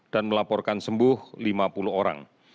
dan melaporkan sembuh lima puluh orang